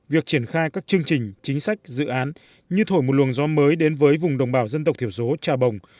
việc triển khai các chương trình chính sách dự án như thổi một luồng gió mới đến với vùng đồng bào dân tộc thiểu số trà bồng